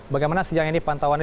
bagaimana siang ini pantauannya